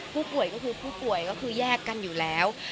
ผู้ป่วยก็คือผู้ป่วยก็คือแยกกันอยู่แล้ว